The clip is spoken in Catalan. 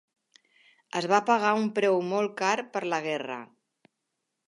Es va pagar un preu molt car per la guerra.